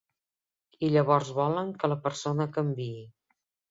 I llavors volen que la persona canviï.